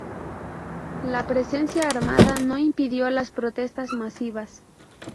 La presencia armada no impidió las protestas masivas.